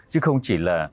chứ không chỉ là